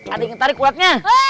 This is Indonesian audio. ada yang tarik kulitnya